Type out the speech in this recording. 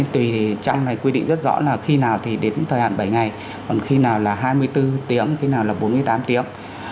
tùy thì trang này quy định rất rõ là khi nào thì đến thời hạn bảy ngày còn khi nào là hai mươi bốn tiếng khi nào là bốn mươi tám tiếng